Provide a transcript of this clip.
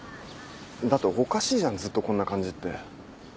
だっておかしいじゃんずっとこんな感じって。